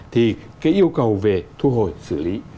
thì cái yêu cầu về thu hồi xử lý